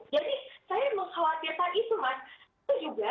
jadi saya mengkhawatirkan itu mas itu juga jangan lupa bahwa dampaknya